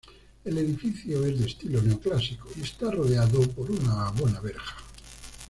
El edificio es de estilo neoclásico y está rodeado por una buena verja.